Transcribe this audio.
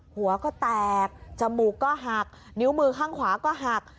หัวก็แตกจมูกก็หักนิ้วมือข้างขวาก็หัก